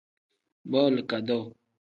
Booli kadoo.